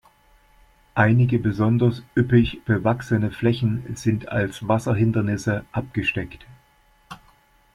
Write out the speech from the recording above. Einige besonders üppig bewachsene Flächen sind als Wasserhindernisse abgesteckt.